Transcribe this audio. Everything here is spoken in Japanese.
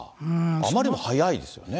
あまりにも早いですよね。